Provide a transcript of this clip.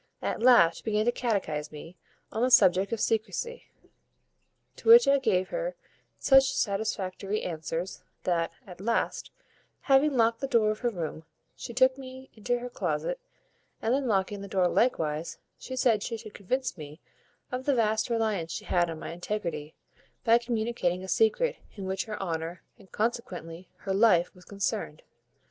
At last she began to catechise me on the subject of secrecy, to which I gave her such satisfactory answers, that, at last, having locked the door of her room, she took me into her closet, and then locking that door likewise, she said she should convince me of the vast reliance she had on my integrity, by communicating a secret in which her honour, and consequently her life, was concerned.